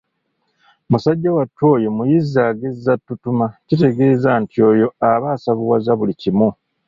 Musajja wattu oyo muyizzi agezza ttutuma kitegeeza nti oyo aba asavuwaza buli kimu